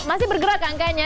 masih bergerak angkanya